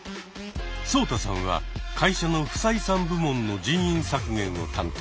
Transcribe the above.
ソウタさんは会社の不採算部門の人員削減を担当。